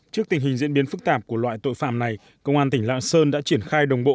trước tình hình diễn biến phức tạp của loại tội phạm này công an tỉnh lạng sơn đã triển khai đồng bộ